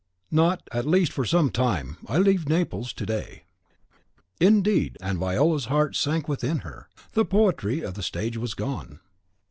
"Not, at least, for some time. I leave Naples to day." "Indeed!" and Viola's heart sank within her; the poetry of the stage was gone.